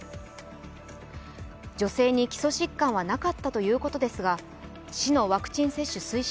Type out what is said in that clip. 女性に基礎疾患はなかったということですが市のワクチン接種推進